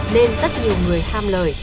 nên rất nhiều người ham lời